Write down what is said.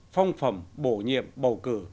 phong phẩm bổ nhiệm bầu cử